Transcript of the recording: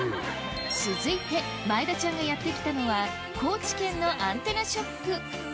続いて前田ちゃんがやって来たのは高知県のアンテナショップ